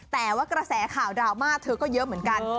แต่ว่ากระแสข่าวดราม่าเธอก็เยอะเหมือนกัน